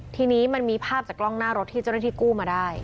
ทีนี้มันมีภาพจากกล้องหน้ารถที่เจ้าหน้าที่กู้มาได้